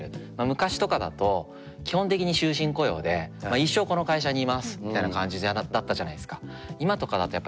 昔とかだと基本的に終身雇用で「一生この会社に居ます！」みたいな感じだったじゃないですか。